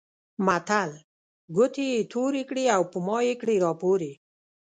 متل؛ ګوتې يې تورې کړې او په مايې کړې راپورې.